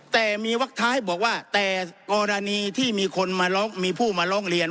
แต่มีวักท้ายบอกว่าแต่กรณีที่มีคนมาร้องมีผู้มาร้องเรียน